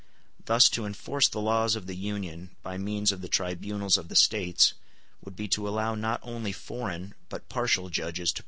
Thus to enforce the laws of the Union by means of the tribunals of the States would be to allow not only foreign but partial judges to preside over the nation.